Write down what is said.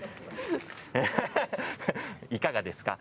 いかがですか。